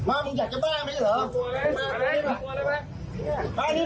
ไอ้สัญวะมึงจะจะบ้างันซิหรอ